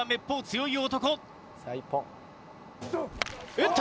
打った！